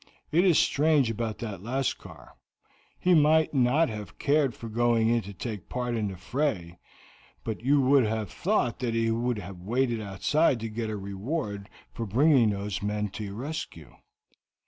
It is strange about that Lascar; he might not have cared for going in to take part in the fray, but you would have thought that he would have waited outside to get a reward for bringing those men to your rescue."